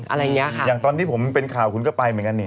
อะไรอย่างเงี้ยค่ะอย่างตอนที่ผมเป็นข่าวคุณก็ไปเหมือนกันนี่